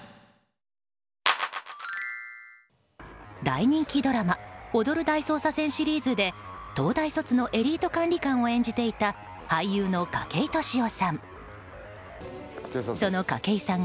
大人気ドラマ「踊る大捜査線」シリーズで東大卒のエリート管理官を演じていた俳優の筧利夫さん。